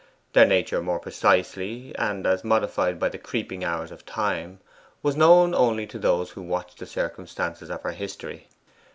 Their nature more precisely, and as modified by the creeping hours of time, was known only to those who watched the circumstances of her history.